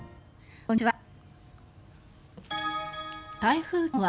こんにちは。